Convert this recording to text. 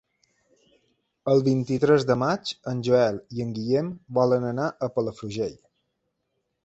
El vint-i-tres de maig en Joel i en Guillem volen anar a Palafrugell.